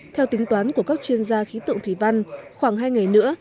theo tính toán của các chuyên gia khí tượng thủy văn khoảng hai ngày nữa